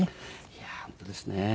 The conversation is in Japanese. いやー本当ですね。